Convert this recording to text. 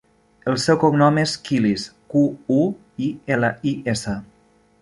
El seu cognom és Quilis: cu, u, i, ela, i, essa.